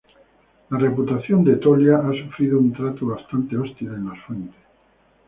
La reputación de Etolia ha sufrido un trato bastante hostil en las fuentes.